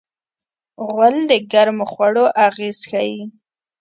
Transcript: غول د ګرمو خوړو اغېز ښيي.